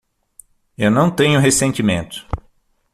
Eu não tenho ressentimentos.